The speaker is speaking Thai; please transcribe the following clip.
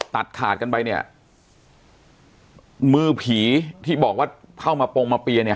ตัดขาดกันไปเนี่ยมือผีที่บอกว่าเข้ามาปงมาเปียเนี่ย